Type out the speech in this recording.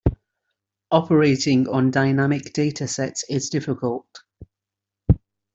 Operating on dynamic data sets is difficult.